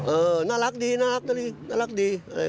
เออน่ารักดีน่ารักดี